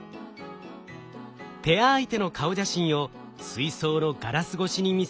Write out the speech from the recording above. ペア相手の顔写真を水槽のガラス越しに見せると。